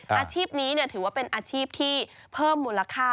อาชีพนี้ถือว่าเป็นอาชีพที่เพิ่มมูลค่า